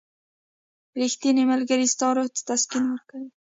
• ریښتینی ملګری ستا روح ته تسکین ورکوي.